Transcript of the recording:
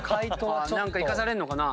何か生かされるのかな？